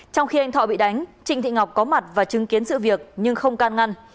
trong khi anh thọ bị đánh trịnh thị ngọc có mặt và chứng kiến sự việc nhưng không can ngăn